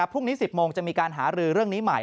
พรุ่งนี้๑๐โมงจะมีการหารือเรื่องนี้ใหม่